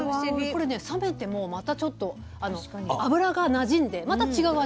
これね冷めてもまたちょっと油がなじんでまた違う味わいに。